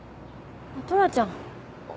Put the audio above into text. トラちゃん。